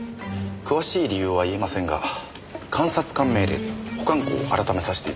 詳しい理由は言えませんが監察官命令で保管庫をあらためさせて頂きます。